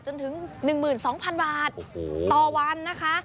จนถึง๑หมื่น๒พันบาทโอ้โหต่อวันนะคะ